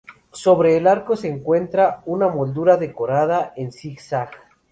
Sobre el arco se encuentra una moldura decorada en zigzag.